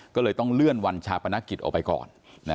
ก็เลยต้องเลื่อนวันชาปนกิจออกไปก่อน